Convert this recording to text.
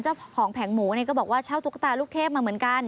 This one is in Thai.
แผงหมูเนี่ยก็บอกว่าเช่าตุ๊กตาลูกเทพมาเหมือนกัน